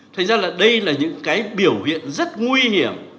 thành ra là đây là những cái biểu hiện rất nguy hiểm